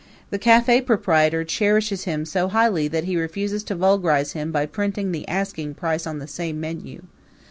The cafe proprietor cherishes him so highly that he refuses to vulgarize him by printing the asking price on the same menu.